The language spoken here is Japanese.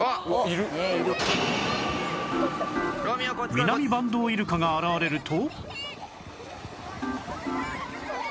ミナミバンドウイルカが現れると